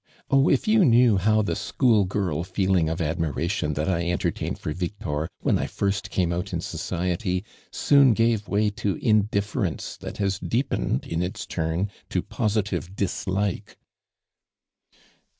Oil, if you knew how th. jfiool girl feeling of admii ation that I entert4iined for Victor when 1 first came out in society, soon gav^^ way to indifference that has deepened in its turn to ]iositivo dislike."